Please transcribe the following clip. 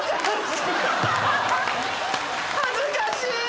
恥ずかしい。